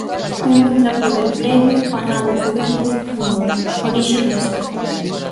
Un contrapoder previo ó novo poder constituínte, orixe deste.